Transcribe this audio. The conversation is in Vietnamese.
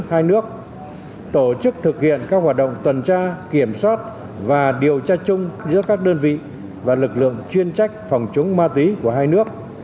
hai nước tổ chức thực hiện các hoạt động tuần tra kiểm soát và điều tra chung giữa các đơn vị và lực lượng chuyên trách phòng chống ma túy của hai nước